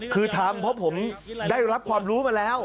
คือทำเพราะผมได้รับความรู้